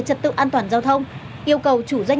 trật tự an toàn giao thông yêu cầu chủ doanh